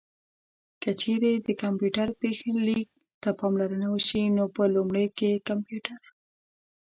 که چېرې د کمپيوټر پيښليک ته پاملرنه وشي نو په لومړيو کې کمپيوټر